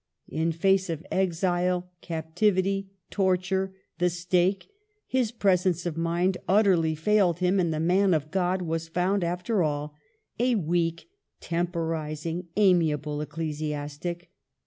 In face of exile, cap tivity, torture, the stake, his presence of mind utterly failed him, and the Man of God was found, after all, a weak, temporizing, amiable ecclesiastic.